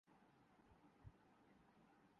Pakistan stock exchange ہفتے کے پہلے روز مندی کا رحجان